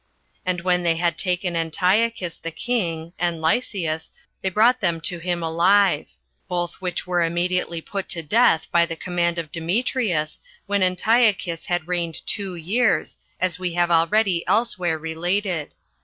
And when they had taken Autiochus the king, and Lysias, they brought them to him alive; both which were immediately put to death by the command of Demetrius, when Antiochus had reigned two years, as we have already elsewhere related.